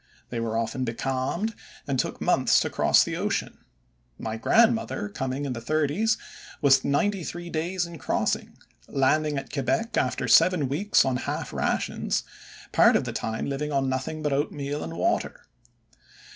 They were often becalmed and took months to cross the ocean. My grandmother coming in the thirties was ninety three days in crossing, landing at Quebec after seven weeks on half rations, part of the time living on nothing but oatmeal and water.